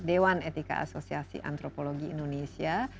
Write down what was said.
dewan etika asosiasi antropologi indonesia